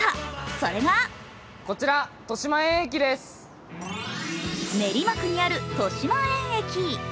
それが練馬区にある豊島園駅。